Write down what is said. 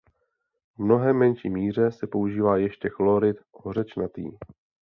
V mnohem menší míře se používá ještě chlorid hořečnatý.